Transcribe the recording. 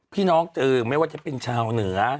น้องไม่ว่าจะเป็นชาวเหนือ